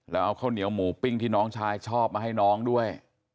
แล้วเอาข้าวเหนียวหมูปิ้งที่น้องชายชอบมาให้น้องด้วย